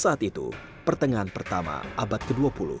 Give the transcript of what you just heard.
saat itu pertengahan pertama abad ke dua puluh